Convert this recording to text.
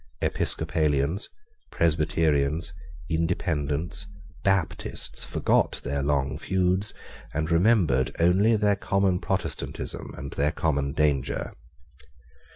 Episcopalians, Presbyterians, Independents, Baptists, forgot their long feuds, and remembered only their common Protestantism and their common danger.